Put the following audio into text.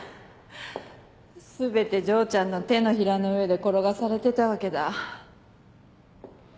全て丈ちゃんの手のひらの上で転がされてたわけだ。